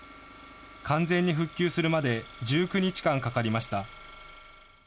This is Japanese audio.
完全に復旧するまで１９日間かかりました。